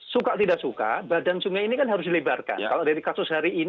suka tidak suka badan sungai ini kan harus dilebarkan